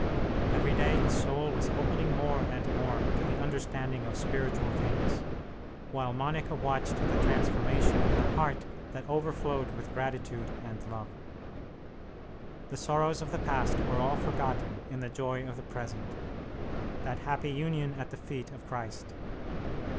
Every day his soul was opening more and more to the understanding of spiritual things, while Monica watched the transformation with a heart that overflowed with gratitude and love. The sorrows of the past were all forgotten in the joy of the present, that happy union at the feet of Christ.